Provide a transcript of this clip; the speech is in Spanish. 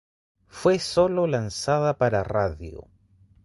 Fue sólo lanzada para radio.